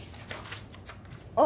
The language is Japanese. あっ。